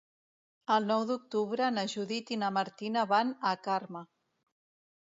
El nou d'octubre na Judit i na Martina van a Carme.